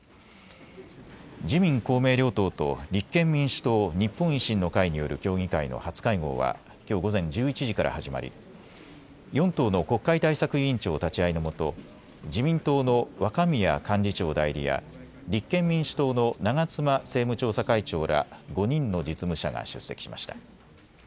自民公明両党と立憲民主党、日本維新の会による協議会の初会合はきょう午前１１時から始まり４党の国会対策委員長立ち会いのもと自民党の若宮幹事長代理や立憲民主党の長妻政務調査会長ら５人の実務者が出席しました。